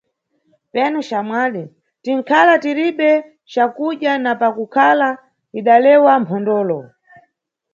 Penu xamwali, tinʼkhala tiribe cakudya na pakukhala, idalewa mphondolo.